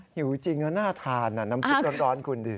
หิวจริงแล้วน่าทานน้ำซุปร้อนคุณดิ